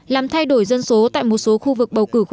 làm thay đổi dân số tại một số khu